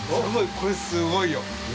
◆これ、すごいよ。